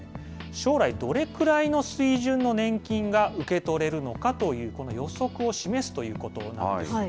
将来どれくらいの水準の年金が受け取れるのかという、この予測を示すということなんです。